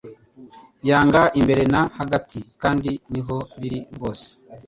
Yanga Imbere na Hagati kandi niko biri rwose